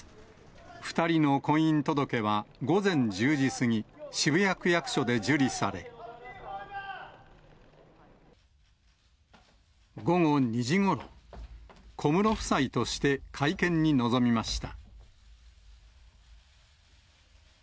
２人の婚姻届は午前１０時過ぎ、渋谷区役所で受理され、午後２時ごろ、小室夫妻として会見に臨みました。